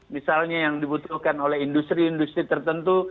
misalnya yang dibutuhkan oleh industri industri tertentu